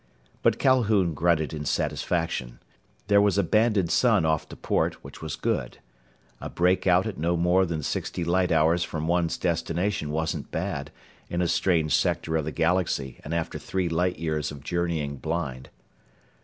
But Calhoun grunted in satisfaction. There was a banded sun off to port, which was good. A breakout at no more than sixty light hours from one's destination wasn't bad, in a strange sector of the galaxy and after three light years of journeying blind.